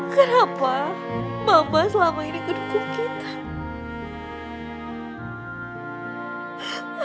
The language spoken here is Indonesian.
kenapa mama selama ini gedung kita